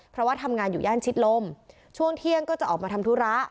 เพราะว่าทำงานอยู่ย่านชิดลมช่วงเที่ยงก็จะออกมาทำธุระ